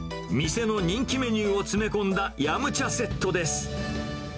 店の人気メニューを詰め込んだ飲茶セットです。